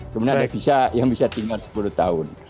kemudian ada visa yang bisa tinggal sepuluh tahun